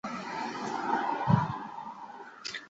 枫丹白露度假村曾为度假村创造营收新高。